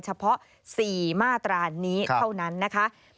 เฉพาะ๔มาตรานี้เท่านั้นนะคะ